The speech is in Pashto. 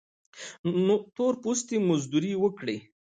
تور پوستي مزدوري وکړي.